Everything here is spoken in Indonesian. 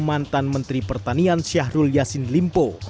mantan menteri pertanian syahrul yassin limpo